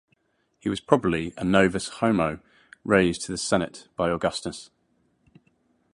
He was probably a "novus homo" raised to the Senate by Augustus.